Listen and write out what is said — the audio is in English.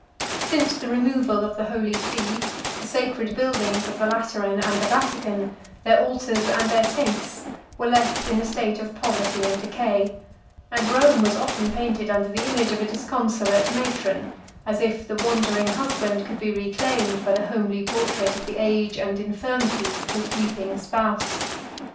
Since the removal of the Holy See, the sacred buildings of the Lateran and the Vatican, their altars and their saints, were left in a state of poverty and decay; and Rome was often painted under the image of a disconsolate matron, as if the wandering husband could be reclaimed by the homely portrait of the age and infirmities of his weeping spouse.